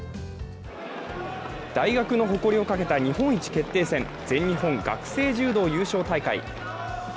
大学の誇りをかけた日本一決定戦、全日本学生柔道優勝大会。